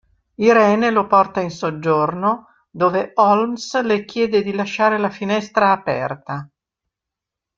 Irene lo porta in soggiorno, dove Holmes le chiede di lasciare la finestra aperta.